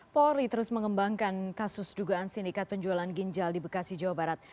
polri terus mengembangkan kasus dugaan sindikat penjualan ginjal di bekasi jawa barat